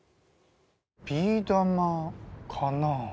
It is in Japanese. ビー玉かな？